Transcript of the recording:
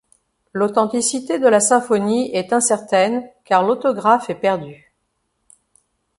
L'authenticité de la symphonie est incertaine car l'autographe est perdu.